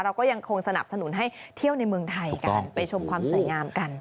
เราก็ยังคงสนับสนุนให้เที่ยวในเมืองไทยกันไปชมความสวยงามกัน